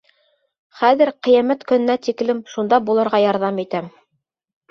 Хәҙер ҡиәмәт көнөнә тиклем шунда булырға ярҙам итәм.